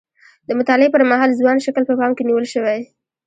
د مطالعې پر مهال ځوان شکل په پام کې نیول شوی.